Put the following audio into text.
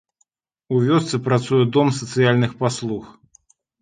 У вёсцы працуе дом сацыяльных паслуг.